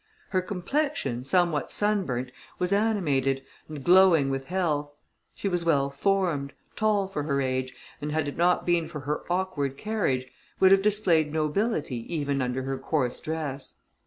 Her complexion, somewhat sun burnt, was animated, and glowing with health; she was well formed, tall for her age, and had it not been for her awkward carriage, would have displayed nobility even under her coarse dress.